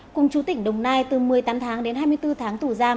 cùng chú tỉnh đồng nai từ một mươi tám tháng đến hai mươi bốn tháng tù giam